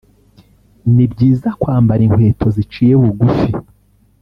ni byiza kwambara inkweto ziciye bugufi